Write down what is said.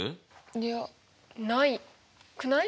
いやないくない？